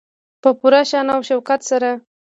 په پوره شان او شوکت سره.